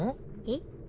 えっ？